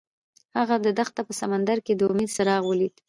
هغه د دښته په سمندر کې د امید څراغ ولید.